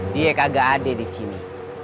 dia kagak ada disini